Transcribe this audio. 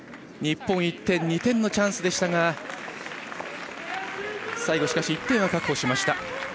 日本２点のチャンスでしたが最後、しかし１点を確保しました。